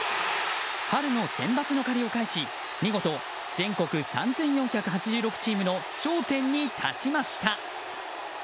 春のセンバツの借りを返し見事、全国３４８６チームの頂点に立ちました！